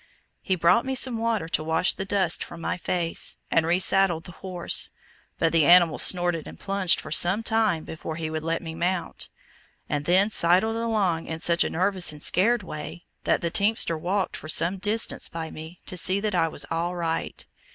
He brought me some water to wash the dust from my face, and re saddled the horse, but the animal snorted and plunged for some time before he would let me mount, and then sidled along in such a nervous and scared way, that the teamster walked for some distance by me to see that I was "all right."